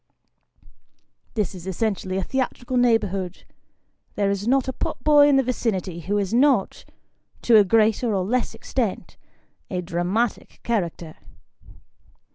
This is essentially a theatrical neighbourhood. There is not a pot boy in the vicinity who is not, to a greater or less extent, a dramatic character.